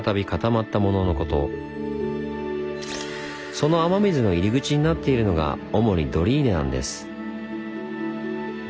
その雨水の入り口になっているのが主にドリーネなんです。